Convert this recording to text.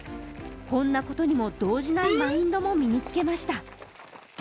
こんなことにも同じないマインドも身につけました。